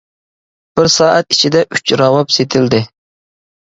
بىر سائەت ئىچىدە ئۈچ راۋاب سېتىلدى.